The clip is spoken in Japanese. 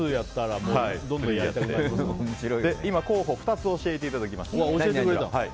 今、候補を２つ教えていただきました。